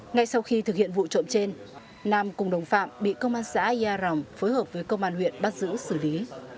ngay sau khi thực hiện vụ trộm trên nam cùng đồng phạm bị công an xã ia rồng phối hợp với công an huyện bắt giữ xử lý